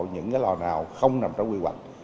những cái lò nào không nằm trong quy hoạch